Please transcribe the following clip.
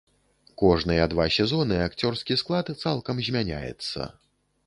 Кожныя два сезоны акцёрскі склад цалкам змяняецца.